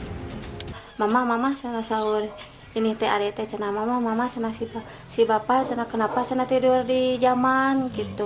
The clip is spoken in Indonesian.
saya mengatakan kepada mama mama si bapak kenapa saya tidur di jaman